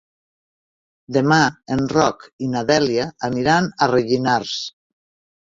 Demà en Roc i na Dèlia aniran a Rellinars.